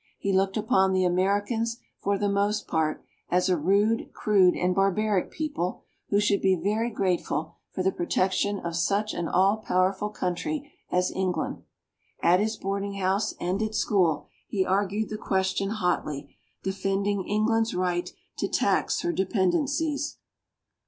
He looked upon the Americans, for the most part, as a rude, crude and barbaric people, who should be very grateful for the protection of such an all powerful country as England. At his boarding house and at school, he argued the question hotly, defending England's right to tax her dependencies.